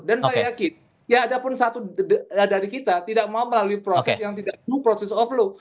saya yakin ya ada pun satu dari kita tidak mau melalui proses yang tidak new process of law